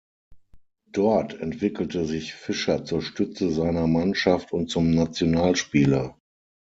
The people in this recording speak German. Dort entwickelte sich Fischer zur Stütze seiner Mannschaft und zum Nationalspieler.